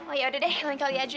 oh ya udah deh lain kali aja ya